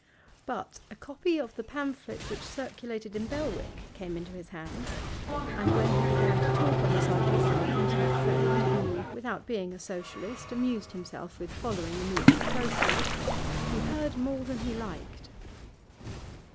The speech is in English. But a copy of the pamphlet which circulated in Belwick came into his hands, and when he began to talk on the subject with an intimate friend, who, without being a Socialist, amused himself with following the movement closely, he heard more than he liked.